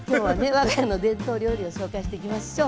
我が家の伝統料理を紹介していきましょう。